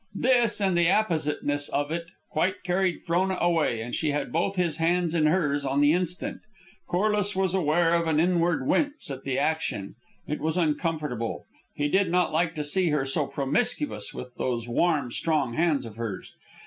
This, and the appositeness of it, quite carried Frona away, and she had both his hands in hers on the instant. Corliss was aware of an inward wince at the action. It was uncomfortable. He did not like to see her so promiscuous with those warm, strong hands of hers.